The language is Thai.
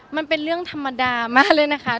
มันเป็นเรื่องธรรมดามากเลยนะคะ